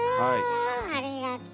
ありがとう。